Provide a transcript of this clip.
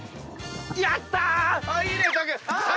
やった！